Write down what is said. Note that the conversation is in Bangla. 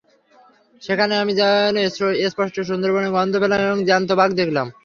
সেখানে আমি যেন স্পষ্ট সুন্দরবনের গন্ধ পেলাম এবং জ্যান্ত বাঘ দেখলাম।